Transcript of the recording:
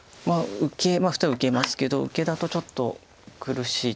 まあ普通は受けますけど受けだとちょっと苦しい。